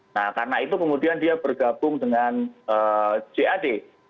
nah karena itu kemudian dia bergabung dengan jad